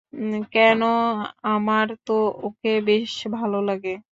কেন, আমার তো ওকে বেশ লাগে।